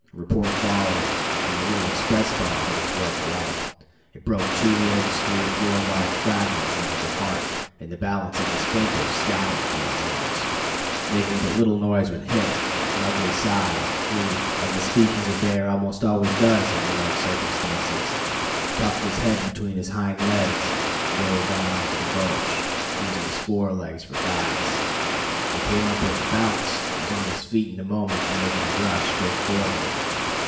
A report followed, and the little express ball did its work well. It broke two ribs, three or four large fragments entered the heart, and the balance of the splinters scattered through the lungs. Making but little noise when hit, an ugly sigh, he, as this species of bear almost always does under like circumstances, tucked his head between his hind legs, and rolled down into the gulch, using his fore legs for guides. He came up with a bounce, was on his feet in a moment and making a rush straight for me.